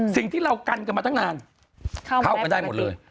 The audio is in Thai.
สิ่งที่เรากันกันมาตั้งนานเข้ากันได้หมดเลย